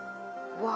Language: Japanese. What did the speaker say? うわ。